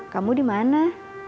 kamu di mana